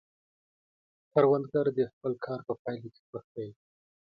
کروندګر د خپل کار په پایله کې خوښ دی